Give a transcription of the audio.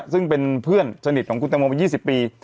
ซึ่งเป็นเพื่อนสนิทของคุณตังโมมา๒๐ปี